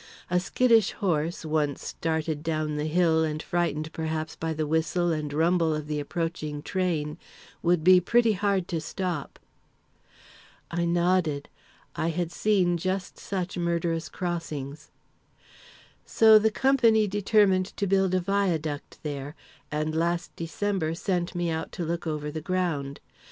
A skittish horse, once started down the hill and frightened perhaps by the whistle and rumble of the approaching train, would be pretty hard to stop." I nodded. I had seen just such murderous crossings. "So the company determined to build a viaduct there, and last December sent me out to look over the ground.